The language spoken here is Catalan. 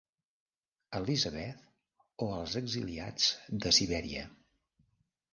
"Elizabeth, o els exiliats de Sibèria".